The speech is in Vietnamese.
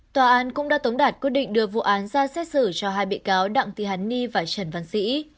tòa án cũng đã tống đạt quyết định đưa vụ án ra xét xử cho hai bị cáo đặng thị hàn ni và trần văn sĩ